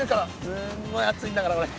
すんごい熱いんだからこれ。